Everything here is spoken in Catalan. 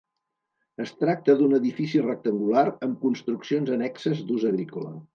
Es tracta d'un edifici rectangular amb construccions annexes d'ús agrícola.